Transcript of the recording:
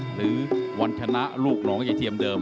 หรือวันชนะลูกหนองยายเทียมเดิม